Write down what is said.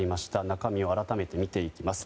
中身を改めて見ていきます。